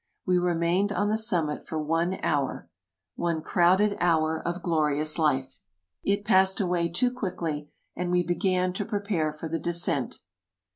We remained on the summit for one hour — One crowded hour of glorious life. It passed away too quickly, and we began to prepare for the descent.